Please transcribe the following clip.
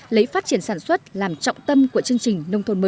lấy phát triển sản xuất làm trọng tâm của chương trình